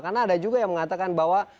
karena ada juga yang mengatakan bahwa